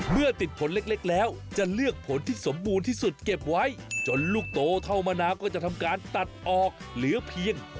เมื่อติดผลเล็กแล้วจะเลือกผลที่สมบูรณ์ที่สุดเก็บไว้